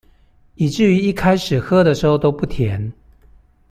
以至於一開始喝的時候都不甜